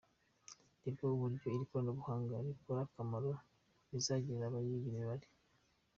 Reba uburyo iri koranabuhanga rikora n’akamaro rizagirira abiga imibare.